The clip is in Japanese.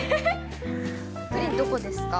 プリン、どこですか？